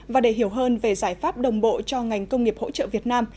và để hiểu hơn về giải pháp đồng bộ cho ngành công nghiệp hỗ trợ việt nam